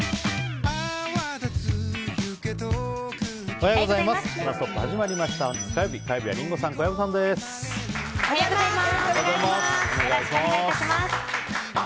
おはようございます。